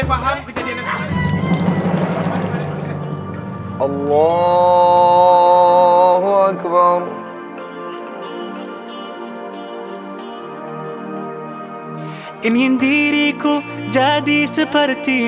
assalamualaikum warahmatullahi wabarakatuh